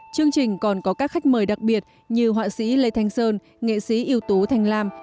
chương trình còn có các khách mời đặc biệt như họa sĩ lê thanh sơn nghệ sĩ yếu tố thanh lam